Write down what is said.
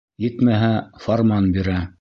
Етмәһә, фарман бирә.